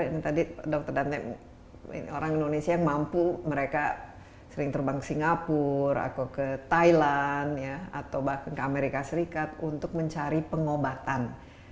ini tadi dokter dan orang indonesia yang mampu mereka sering terbang ke singapura atau ke thailand atau bahkan ke amerika serikat untuk mencari pengobatan